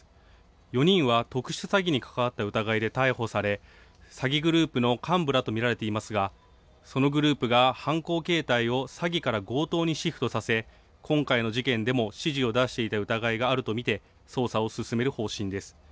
４人は特殊詐欺に関わった疑いで逮捕され、詐欺グループの幹部らと見られていますが、そのグループが犯行形態を詐欺から強盗にシフトさせ、今回の事件でも指示を出していた疑いがあると見て、捜査を進める方針です。